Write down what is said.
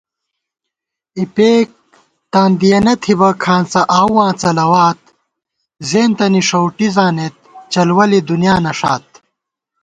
اِپېک تان دِیَنہ تھی بہ کھانڅہ آؤواں څَلَوات * زِیَنتَنی ݭؤٹی زانېت چل چلےدُنیانہ ݭات